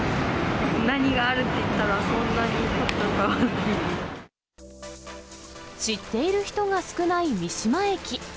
何があるっていったら、知っている人が少ない三島駅。